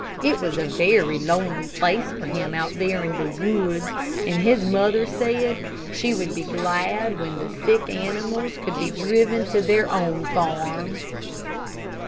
It was a very lonely place for him out there in the woods, and his mother said that she would be glad when the sick animals could be driven to their own farm.